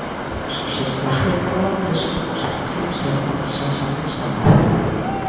No subsector agrícola, tres grupos de cultivos teñen unha presenza moi destacada: